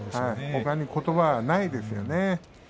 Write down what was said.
ほかに、ことばはないですよね。